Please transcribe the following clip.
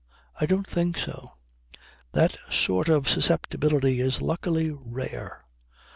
I don't think so. That sort of susceptibility is luckily rare.